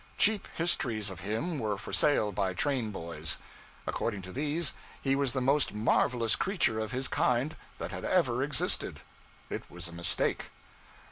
Cheap histories of him were for sale by train boys. According to these, he was the most marvelous creature of his kind that had ever existed. It was a mistake.